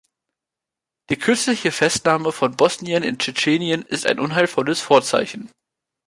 Die kürzliche Festnahme von Bosniern in Tschetschenien ist ein unheilvolles Vorzeichen.